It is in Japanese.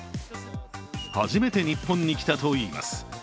初めて日本に来たといいます。